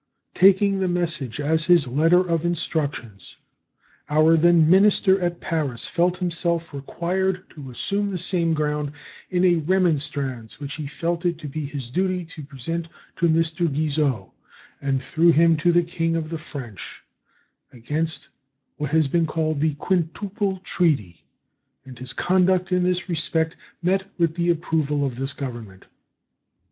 Taking the message as his letter of instructions, our then minister at Paris felt himself required to assume the same ground in a remonstrance which he felt it to be his duty to present to Mr. Guizot, and through him to the King of the French, against what has been called the "quintuple treaty;" and his conduct in this respect met with the approval of this Government.